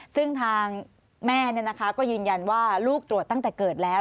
ซึ่งทางแม่ก็ยืนยันว่าลูกตรวจตั้งแต่เกิดแล้ว